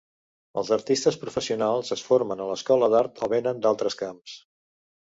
Els artistes professionals es formen a l'escola d'art o venen d'altres camps.